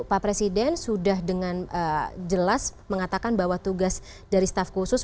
pak presiden sudah dengan jelas mengatakan bahwa tugas dari staf khusus